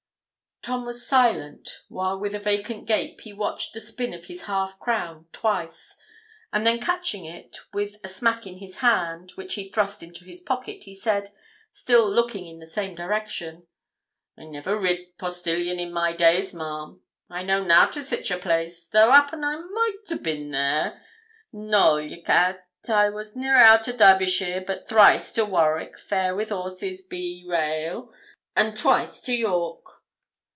Tom was silent, while with a vacant gape he watched the spin of his half crown twice, and then catching it with a smack in his hand, which he thrust into his pocket, he said, still looking in the same direction 'I never rid postilion in my days, ma'am. I know nout o' sich a place, though 'appen I maught a' bin there; Knowl, ye ca't. I was ne'er out o' Derbyshire but thrice to Warwick fair wi' horses be rail, an' twice to York.'